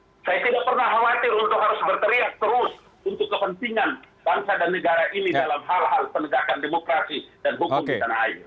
untuk kepentingan bangsa dan negara ini dalam hal hal penegakan demokrasi dan hukum di tanah air